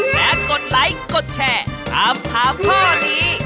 และกดไลค์กดแชร์ถามถามข้อนี้